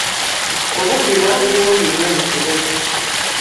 Obubbi bwali bungi nnyo mu kibuga.